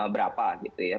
berapa gitu ya